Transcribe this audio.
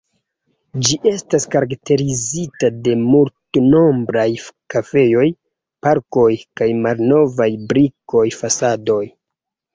Ĝi estas karakterizita de multnombraj kafejoj, parkoj kaj malnovaj brikoj fasadoj.